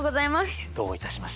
どういたしまして。